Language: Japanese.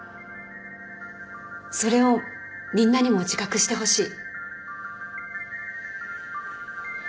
それをみんなにも自覚してほしい。